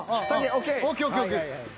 ＯＫＯＫＯＫ。